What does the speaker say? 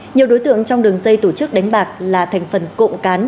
nhiều đối tượng trong đường dây tổ chức đánh bạc là thành phần cộng cán